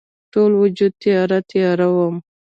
ټول وجود تیاره، تیاره وم